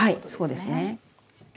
はいそうですね。